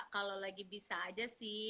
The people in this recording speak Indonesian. kalau lagi bisa aja sih